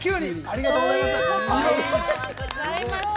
ありがとうございます。